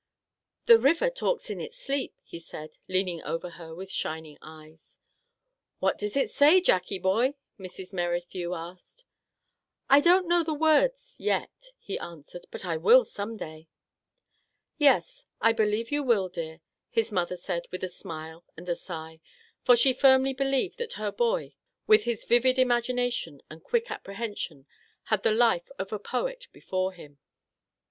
" The river talks in its sleep," he said, lean ing over her with shining eyes. " What does it say, Jackie boy ?" Mrs. Merrithew asked. "I don't know the words, — yet, " he answered, " but I will some day." "Yes, I believe you will, dear," his mother said, with a smile and a sigh, for she firmly believed that her boy, with his vivid imagina tion and quick apprehension, had the life of a poet before him.